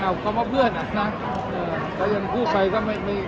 เอามันเพื่อนอ่ะนะอดทนพูดไปก็ไม่เป็น